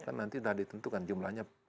kan nanti sudah ditentukan jumlahnya